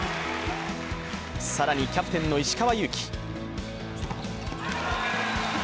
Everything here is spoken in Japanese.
更に、キャプテンの石川祐希。